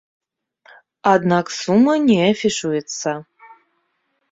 Аднак сума не афішуецца.